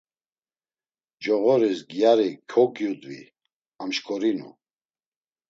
Çoğoris gyari kogyudvi, amşkorinu.